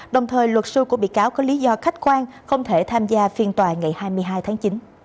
đồng thời luật sư của bị cáo có lý do khách quan không thể tham gia phiên tòa ngày hai mươi hai tháng chín